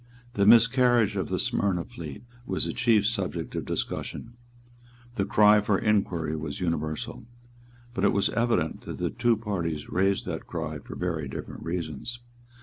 The miscarriage of the Smyrna fleet was the chief subject of discussion. The cry for inquiry was universal: but it was evident that the two parties raised that cry for very different reasons.